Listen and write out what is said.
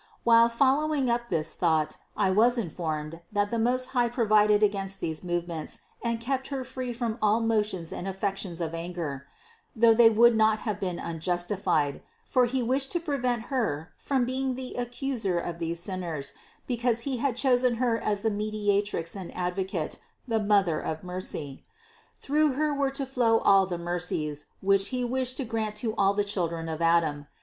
While fol lowing up this thought, I was informed, that the Most High provided against these movements and kept Her free from all motions and affections of anger, though they would not have been unjust; for He wished to prevent Her from being the accuser of these sinners, because He had chosen Her as the Mediatrix and Advocate, the Mother of mercy. Through Her were to flow all the mercies which He wished to grant to all the children of Adam.